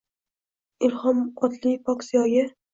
Ilhom otli pok ziyoga